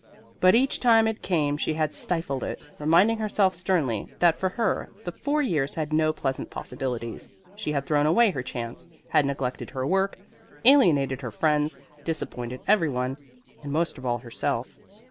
But each time it came she had stifled it, reminding herself sternly that for her the four years held no pleasant possibilities; she had thrown away her chance had neglected her work, alienated her friends, disappointed every one, and most of all herself.